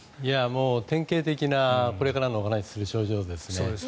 典型的なこれからお話しする症状ですね。